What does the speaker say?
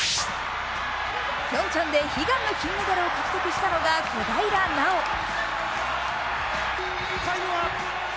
ピョンチャンで悲願の金メダルを獲得したのが小平奈緒。